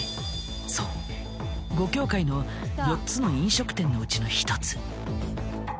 そう五協会の４つの飲食店のうちの１つ。